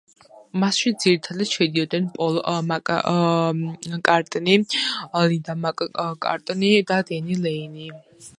მასში ძირითადად შედიოდნენ პოლ მაკ-კარტნი, ლინდა მაკ-კარტნი და დენი ლეინი.